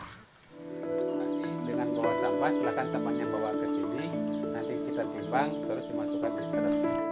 dengan bawa sampah silakan sampahnya bawa ke sini nanti kita timbang terus dimasukkan ke kanan